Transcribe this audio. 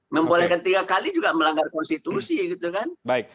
membolehkan tiga kali juga melanggar konstitusi gitu kan